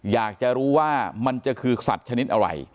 อยากจะรู้ว่ามันจะคือสัตว์ชนิดอะไร